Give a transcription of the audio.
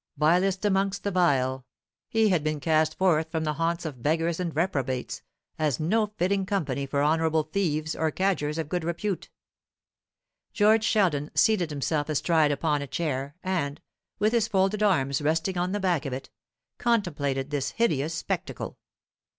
Vilest amongst the vile, he had been cast forth from the haunts of beggars and reprobates, as no fitting company for honourable thieves or cadgers of good repute. George Sheldon seated himself astride upon a chair, and, with his folded arms resting on the back of it, contemplated this hideous spectacle.